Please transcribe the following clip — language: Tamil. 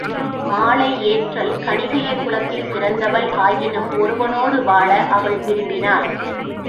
மாலை ஏற்றல் கணிகையர் குலத்தில் பிறந்தவள் ஆயினும் ஒருவனோடு வாழ அவள் விரும்பினாள்.